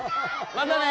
またね。